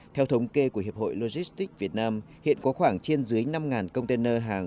theo thống kê của hiệp hội logistics việt nam hiện có khoảng trên dưới năm container hàng